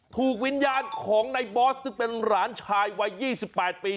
ถูกวิญญาณของในบอสซึ่งเป็นหลานชายวัย๒๘ปี